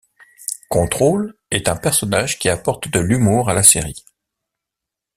Contrôle est un personnage qui apporte de l'humour à la série.